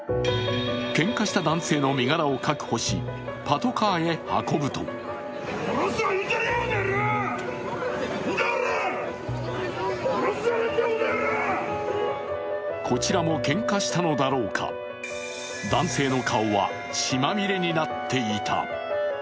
喧嘩した男性の身柄を確保し、パトカーへ運ぶとこちらもけんかしたのだろうか男性の顔は血まみれになっていた。